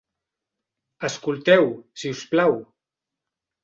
Escolteu, si us plau.